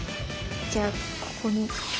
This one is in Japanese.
じゃあここに。